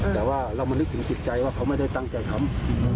แต่ว่าเรามานึกถึงจิตใจว่าเขาไม่ได้ตั้งใจทำ